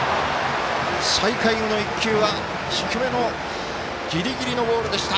再開後の１球は低めのギリギリのボールでした。